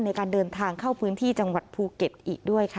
ในการเดินทางเข้าพื้นที่จังหวัดภูเก็ตอีกด้วยค่ะ